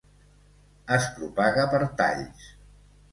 Es propaga per talls.